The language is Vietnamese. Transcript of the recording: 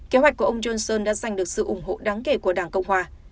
kế hoạch của ông johnson đã giành được sự ủng hộ đáng kể của đảng cộng hòa